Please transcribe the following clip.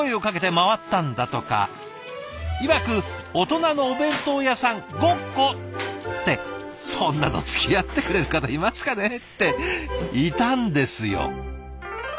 いわく「大人のお弁当屋さん“ごっこ”」。ってそんなのつきあってくれる方いますかね？っていたんですよ。